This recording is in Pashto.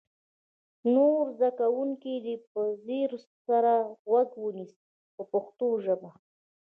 نور زده کوونکي دې په ځیر سره غوږ ونیسي په پښتو ژبه.